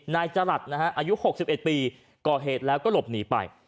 นายจรัสนะฮะอายุ๖๑ปีก่อเหตุแล้วก็หลบหนีไป